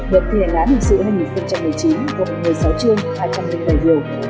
luật kỳ hệ lãn hình sự hai nghìn một mươi chín vùng một mươi sáu chương hai trăm linh bảy điều